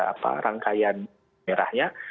apa rangkaian merahnya